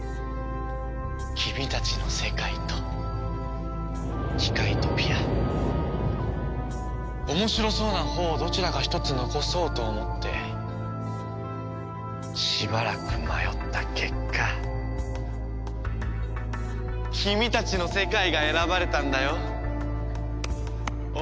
君たちの世界とキカイトピア面白そうなほうをどちらか一つ残そうと思ってしばらく迷った結果君たちの世界が選ばれたんだよ。